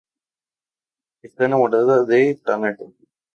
Esta enamorada de Tanaka.